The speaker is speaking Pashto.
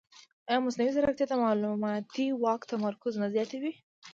ایا مصنوعي ځیرکتیا د معلوماتي واک تمرکز نه زیاتوي؟